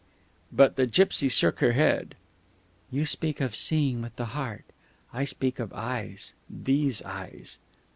But the gipsy shook her head. "You speak of seeing with the heart. I speak of eyes these eyes."